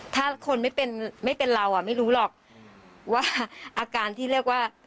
ถ้าคนไม่เป็นไม่เป็นเราอ่ะไม่รู้หรอกว่าอาการที่เรียกว่า